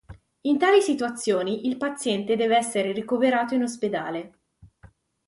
In tali situazioni il paziente deve essere ricoverato in ospedale.